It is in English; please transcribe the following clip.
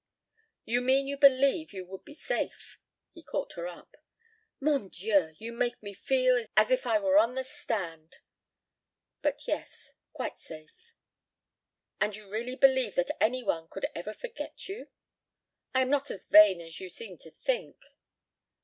"You mean you believe you would be safe," he caught her up. "Mon dieu! You make me feel as if I were on the stand. But yes, quite safe." "And you really believe that any one could ever forget you?" "I am not as vain as you seem to think."